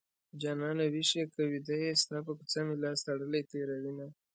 جانانه ويښ يې که ويده يې ستا په کوڅه مې لاس تړلی تېروينه